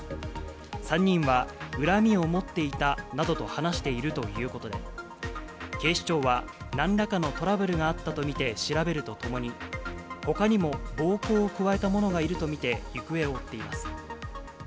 ３人は恨みを持っていたなどと話しているということで、警視庁はなんらかのトラブルがあったと見て調べるとともに、ほかにも暴行を加えた者がいると見て、行方を追っています。